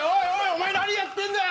お前何やってんだよ！